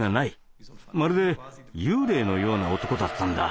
まるで幽霊のような男だったんだ。